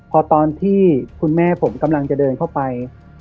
พอตอนที่คุณแม่ผมกำลังจะเดินเข้าไป